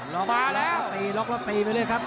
ล็อคล็อตปีล็อคล็อตปี